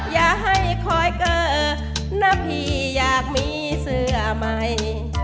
อย่าให้คอยเกิดนะพี่อยากมีเสื้อใหม่